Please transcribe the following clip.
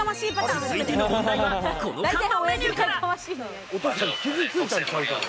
続いての問題はこの看板メニューから。